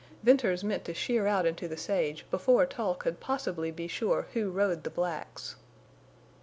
Venters meant to sheer out into the sage before Tull could possibly be sure who rode the blacks.